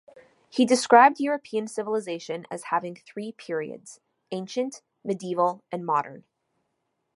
He described European civilisation as having three periods: ancient, medieval and modern.